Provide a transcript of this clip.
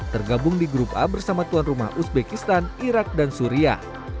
tergabung di grup a bersama tuan rumah uzbekistan irak dan suriah